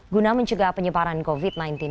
guna mencegah penyebaran covid sembilan belas